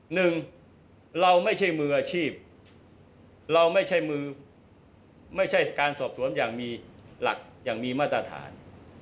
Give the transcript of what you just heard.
หนึ่งเราไม่ใช่มืออาชีพเราไม่ใช่มือไม่ใช่การสอบสวนอย่างมีหลักอย่างมีมาตรฐาน